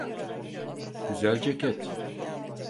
Güzel ceket.